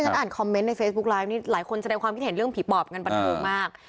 การคอมเมนต์ในเฟซบุ๊คไลฟ์นี้หลายคนจะได้ความคิดเห็นเรื่องผีปอบกันประโยชน์มาก